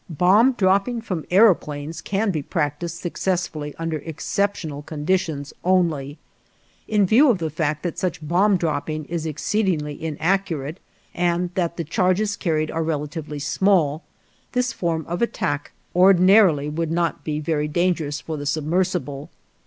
Bomb dropping from aëroplanes can be practiced successfully under exceptional conditions only. In view of the fact that such bomb dropping is exceedingly inaccurate, and that the charges carried are relatively small, this form of attack ordinarily would not be very dangerous for the submersible.